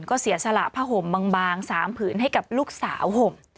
ก็เสียสละผ้าห่มบาง๓ผืนให้กับลูกสาวห่ม